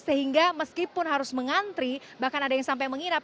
sehingga meskipun harus mengantri bahkan ada yang sampai mengira